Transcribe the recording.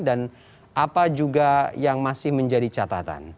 dan apa juga yang masih menjadi catatan